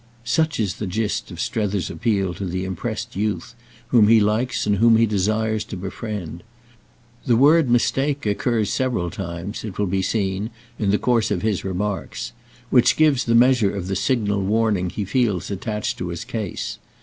Such is the gist of Strether's appeal to the impressed youth, whom he likes and whom he desires to befriend; the word "mistake" occurs several times, it will be seen, in the course of his remarks—which gives the measure of the signal warning he feels attached to his case.